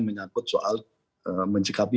menyakut soal mencikapi